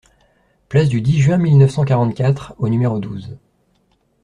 Place du dix Juin mille neuf cent quarante-quatre au numéro douze